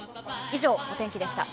以上、お天気でした。